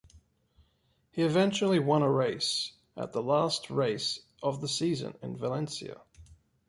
He eventually won a race at the last race of the season in Valencia.